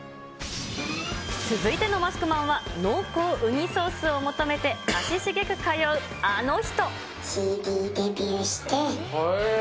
続いてのマスクマンは、濃厚ウニソースを求めて、足しげく通うあの人。